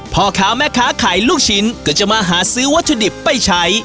พ่อค้าแม่ค้าขายลูกชิ้นก็จะมาหาซื้อวัตถุดิบไปใช้